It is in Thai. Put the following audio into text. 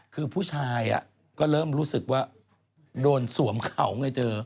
คือผู้ชายก็เริ่มรู้สึกว่าโดนสวมเขาไงเธอ